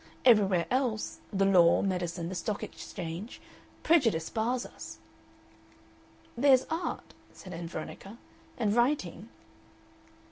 Everywhere else the law, medicine, the Stock Exchange prejudice bars us." "There's art," said Ann Veronica, "and writing."